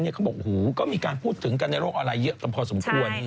เขาบอกก็มีการพูดถึงกันในโลกออนไลน์เยอะกันพอสมควร